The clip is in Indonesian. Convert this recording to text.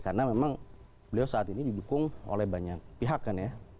karena memang beliau saat ini didukung oleh banyak pihak kan ya